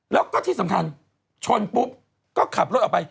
แล้วก็ที่สำคัญชนปุ๊บก็ขับรถออกไป